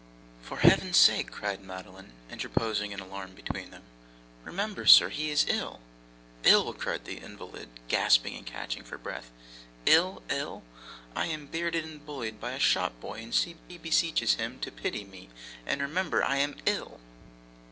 'For Heaven's sake!' cried Madeline, interposing in alarm between them. 'Remember, sir, he is ill.' 'Ill!' cried the invalid, gasping and catching for breath. 'Ill! Ill! I am bearded and bullied by a shop boy, and she beseeches him to pity me and remember I am ill!